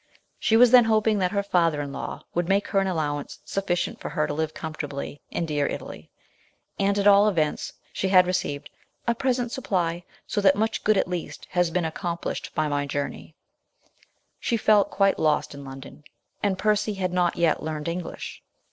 She was then hoping that her father in law would make her an allowance sufficient for her to live comfortably in dear Italy ; and, WIDOWHOOD. 177 at all events, she had received " a present supply, so that much good at least has been accomplished by my journey/' She felt quite lost in London, and Percy had not yet learnt English.